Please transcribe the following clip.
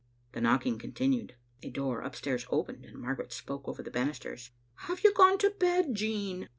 The knocking continued; a door upstairs opened, and Margaret spoke over the banisters. " Have you gone to bed, Jean?